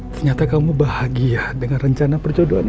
ternyata kamu bahagia dengan rencana perjodohan ini